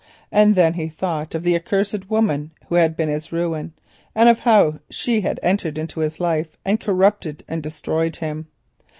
And then he thought of the accursed woman who had been his ruin, and of how she had entered into his life and corrupted and destroyed him.